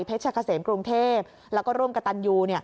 ชะเกษมกรุงเทพแล้วก็ร่วมกับตันยู